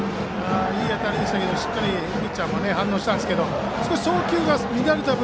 いい当たりでしたがしっかりピッチャーも反応したんですけど少し送球が乱れましたね。